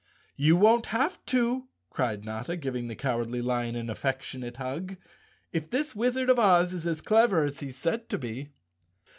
"You won't have to," cried Notta, giving the Cow¬ ardly Lion an affectionate hug, "if this Wizard of Oz is as clever as he's said to be."